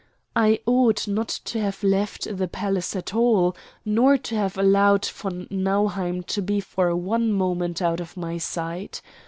I ought not to have left the palace at all, nor to have allowed von Nauheim to be for one moment out of my sight.